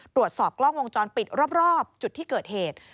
ตรวจสอบกล้องวงจรปิดรอบจุดที่เกิดเหตุ